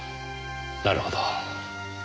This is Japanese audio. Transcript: なるほど。